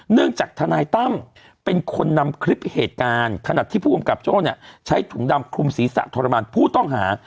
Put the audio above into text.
จากทนายตั้มเป็นคนนำคลิปเหตุการณ์ขณะที่ผู้กำกับโจ้เนี่ยใช้ถุงดำคลุมศีรษะทรมานผู้ต้องหา